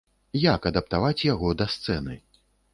Як адаптаваць яго да сцэны?